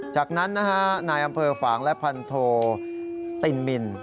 จากนั้นนะฮะนายอำเภอฝางและพันโทตินมิน